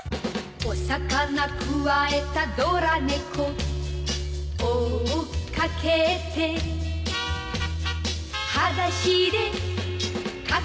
「お魚くわえたドラ猫」「追っかけて」「はだしでかけてく」